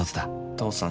父さん